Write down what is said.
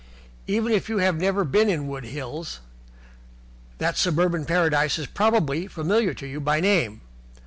Even if you have never been in Wood Hills, that suburban paradise is probably familiar to you by name.